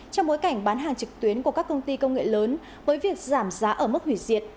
trong bối cảnh bán hàng trực tuyến của các công ty công nghệ lớn với việc giảm giá ở mức hủy diệt